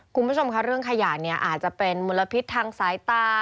คุณผู้ชมค่ะเรื่องขยะเนี่ยอาจจะเป็นมลพิษทางสายตา